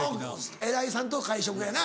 偉いさんとの会食やな。